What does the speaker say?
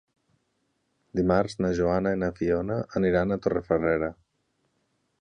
Dimarts na Joana i na Fiona aniran a Torrefarrera.